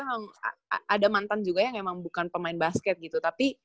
soalnya aku ada mantan juga yang memang bukan pemain basket gitu tapi